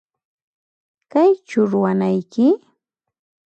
Kaychu ruwanayki?